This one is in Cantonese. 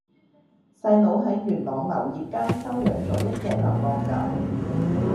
細佬喺元朗流業街收養左一隻流浪狗